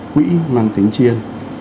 quỹ mang tính chiên